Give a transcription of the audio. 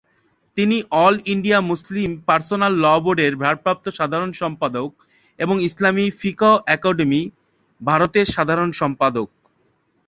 তিনি all India Muslim personal law বোর্ডের ভারপ্রাপ্ত সাধারণ সম্পাদক এবং ইসলামি ফিকহ একাডেমি, ভারতের সাধারণ সম্পাদক।